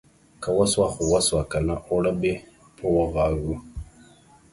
که وسوه خو وسوه ، که نه اوړه به په واغږو.